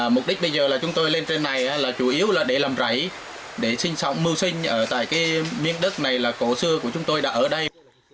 mục đích bây giờ là chúng tôi lên trên này là chủ yếu là để làm rảy để sinh sống mưu sinh ở tại miếng đất này là cổ xưa của chúng tôi đã ở đây